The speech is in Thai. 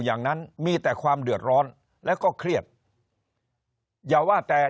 อย่างนั้นมีแต่ความเดือดร้อนแล้วก็เครียดอย่าว่าแต่